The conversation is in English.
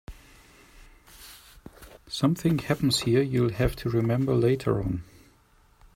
Something happens here you'll have to remember later on.